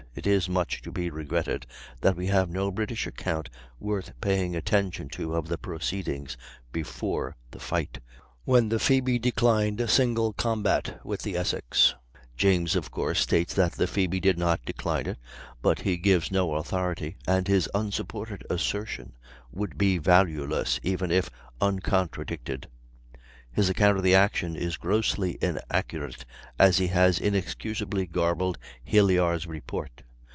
It is much to be regretted that we have no British account worth paying attention to of the proceedings before the fight, when the Phoebe declined single combat with the Essex. James, of course, states that the Phoebe did not decline it, but he gives no authority, and his unsupported assertion would be valueless even if uncontradicted. His account of the action is grossly inaccurate as he has inexcusably garbled Hilyar's report.